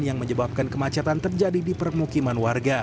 yang menyebabkan kemacetan terjadi di permukiman warga